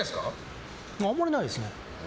あんまりないですね。